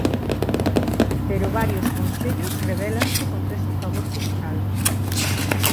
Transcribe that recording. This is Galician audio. Pero varios concellos rebélanse contra este favor fiscal.